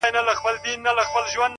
د ښار گردونه دي خالونه د تندي ورانوي.!